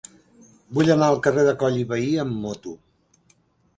Vull anar al carrer de Coll i Vehí amb moto.